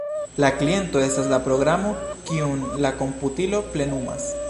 La kliento estas la programo, kiun la komputilo plenumas.